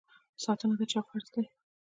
ساتنه د چا فرض دی؟